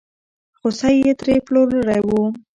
خوسی یې ترې نه پلورلی و.